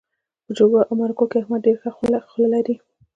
په جرګو او مرکو کې احمد ډېره ښه خوله لري.